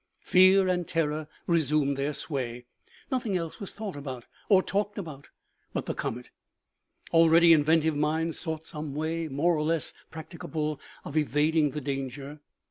Fear and terror resumed their sway. Noth ing else was thought of, or talked about, but the comet. Already inventive minds sought some way, more or less practicable, of evading the danger.